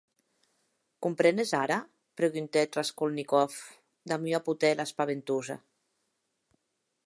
Comprenes ara?, preguntèc Raskolnikov damb ua potèla espaventosa.